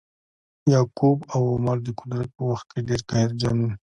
یعقوب او عمرو د قدرت په وخت کې ډیر قهرجن وه.